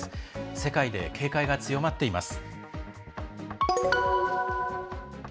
世界で警戒が強まっています。